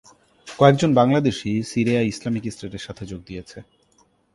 কয়েকজন বাংলাদেশি সিরিয়ায় ইসলামিক স্টেটের সাথে যোগ দিয়েছে।